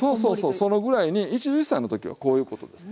そのぐらいに一汁一菜の時はこういうことですね。